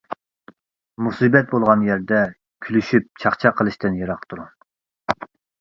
مۇسىبەت بولغان يەردە كۈلۈشۈپ چاقچاق قىلىشتىن يىراق تۇرۇڭ.